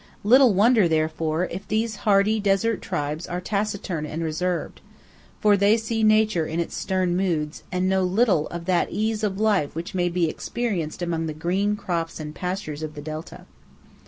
Little wonder, therefore, if these hardy desert tribes are taciturn and reserved, for they see nature in its stern moods, and know little of that ease of life which may be experienced among the green crops and pastures of the Delta.